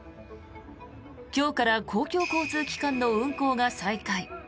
今日から公共交通機関の運行が再開。